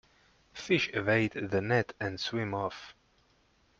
Fish evade the net and swim off.